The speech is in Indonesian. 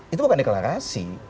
itu bukan deklarasi